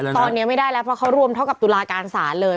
ตอนนี้ไม่ได้แล้วเพราะเขารวมเท่ากับตุลาการศาลเลย